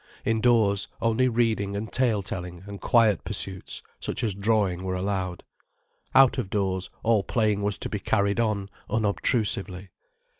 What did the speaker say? Indoors, only reading and tale telling and quiet pursuits, such as drawing, were allowed. Out of doors, all playing was to be carried on unobtrusively.